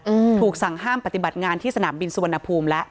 อืมถูกสั่งห้ามปฏิบัติงานที่สนามบินสุวรรณภูมิแล้ว